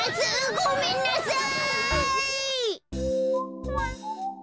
ごめんなさい！